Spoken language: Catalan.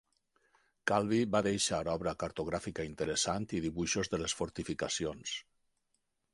Calvi va deixar obra cartogràfica interessant i dibuixos de les fortificacions.